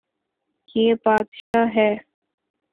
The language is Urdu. یے بدشاہ ہے